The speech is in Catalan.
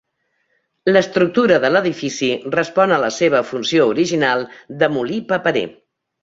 L'estructura de l'edifici respon a la seva funció original de molí paperer.